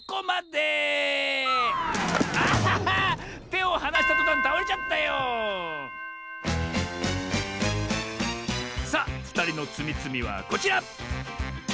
てをはなしたとたんたおれちゃったよさあふたりのつみつみはこちら！